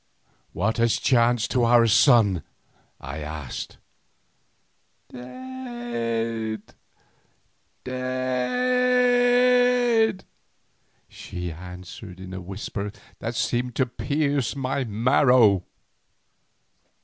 "What has chanced to our son?" I asked. "Dead, dead!" she answered in a whisper that seemed to pierce my marrow.